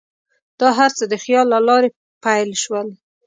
دا هر څه د خیال له لارې پیل شول.